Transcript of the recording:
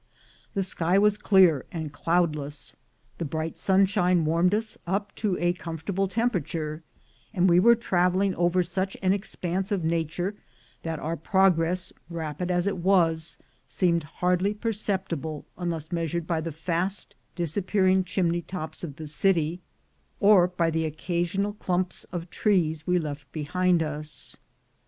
The sky was clear and cloudless, the bright sunshine warmed us up to a comfortable temperature; and we were traveling over such an expanse of nature that our progress, rapid as it was, seemed hardly perceptible, unless measured by the fast disappearing chimney tops of the city, or by the occasional clumps of trees we left behind us.